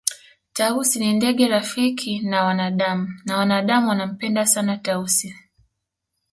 Tausi ni ndege rafiki na wanadamu na wanadamu wanampenda sana Tausi